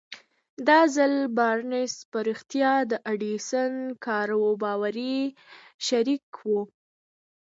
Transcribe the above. دا ځل بارنس په رښتيا د ايډېسن کاروباري شريک و.